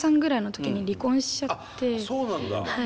あっそうなんだ。